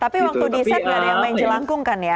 tapi waktu di set gak ada yang main jelangkung kan ya